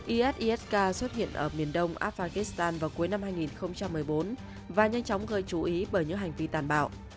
isisk xuất hiện ở miền đông afghanistan vào cuối năm hai nghìn một mươi bốn và nhanh chóng gây chú ý bởi những hành vi tàn bạo